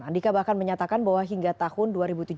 andika bahkan menyatakan bahwa hingga tahun dua ribu tujuh belas